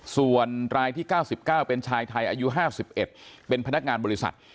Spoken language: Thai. ส่วนรายที่๙๙เป็นชายไทยอายุ๕๑เป็นพนักงานบริษัท